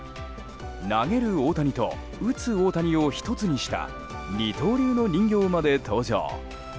投げる大谷と打つ大谷を１つにした二刀流の人形まで登場。